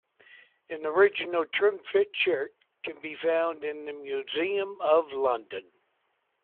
An original Trimfit shirt can be found in the Museum of London.